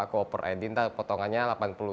aku offer id nanti potongannya delapan puluh dua puluh tuh